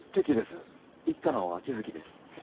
一課の秋月です。